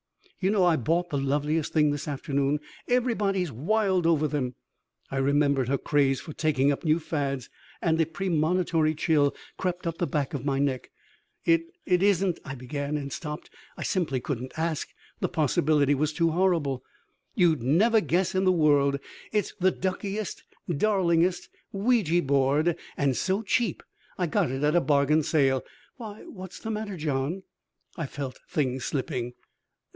"You know I bought the loveliest thing this afternoon. Everybody's wild over them!" I remembered her craze for taking up new fads and a premonitory chill crept up the back of my neck. "It it isn't " I began and stopped. I simply couldn't ask; the possibility was too horrible. "You'd never guess in the world. It's the duckiest, darlingest Ouija board, and so cheap! I got it at a bargain sale. Why, what's the matter, John?" I felt things slipping.